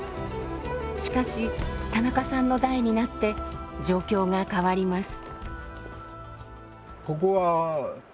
しかし田中さんの代になって状況が変わります。